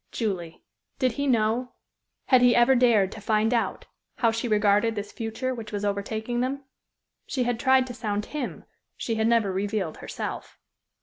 Julie! Did he know had he ever dared to find out how she regarded this future which was overtaking them? She had tried to sound him; she had never revealed herself.